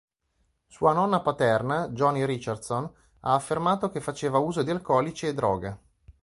Sua nonna paterna Joni Richardson ha affermato che faceva uso di alcolici e droga.